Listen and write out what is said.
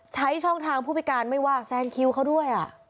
ใช้ช่องทางผู้พิการไม่ว่าแซงคิวเขาด้วย